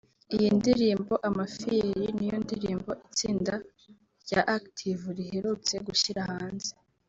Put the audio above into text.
Iyi ndirimbo Amafiyeri niyo ndirimbo itsinda rya Active riherutse gushyira hanze